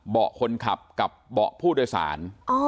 เบาะคนขับกับเบาะผู้โดยสาร